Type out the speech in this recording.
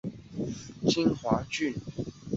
一说南陈天嘉三年改名金华郡。